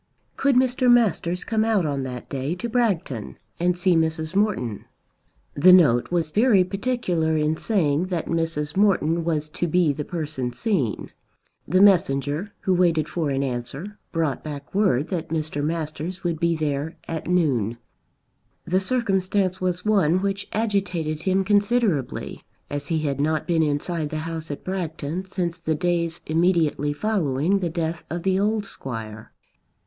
Could Mr. Masters come out on that day to Bragton and see Mrs. Morton. The note was very particular in saying that Mrs. Morton was to be the person seen. The messenger who waited for an answer, brought back word that Mr. Masters would be there at noon. The circumstance was one which agitated him considerably, as he had not been inside the house at Bragton since the days immediately following the death of the old Squire.